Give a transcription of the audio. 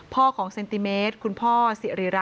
พ่อของเซนติเมธคุณพ่อสิริรัฐเข็มนากบอกว่า